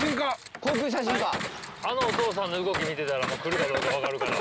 あのお父さんの動き見てたら来るかどうか分かるから。